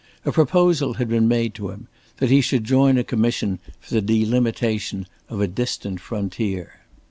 A proposal had been made to him that he should join a commission for the delimitation of a distant frontier.